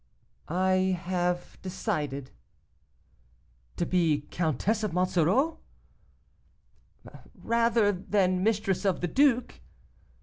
'I have decided.' 'To be Countess of Monsoreau?' 'Rather than mistress of the duke.